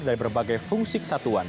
dari berbagai fungsi kesatuan